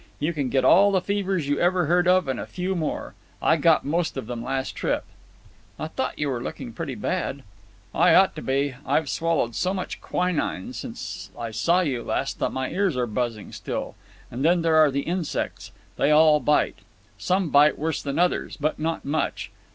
You can get all the fevers you ever heard of, and a few more, I got most of them last trip." "I thought you were looking pretty bad." "I ought to be. I've swallowed so much quinine since I saw you last that my ears are buzzing still. And then there are the insects. They all bite. Some bite worse than others, but not much.